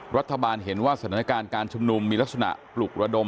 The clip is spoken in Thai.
รัฐบาลเห็นว่าสถานการณ์การชุมนุมมีลักษณะปลุกระดม